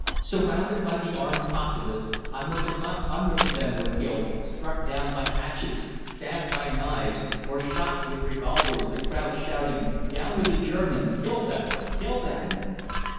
Surrounded by the armed populace, hundreds upon hundreds of them were killed, struck down by hatchets, stabbed by knives, or shot with revolvers, the crowd shouting, "Down with the Germans! Kill them! Kill them!"